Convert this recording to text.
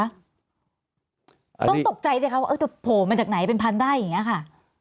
ต้องตกใจสิคะว่าจะโผล่มาจากไหนเป็นพันได้อย่างนี้ค่ะ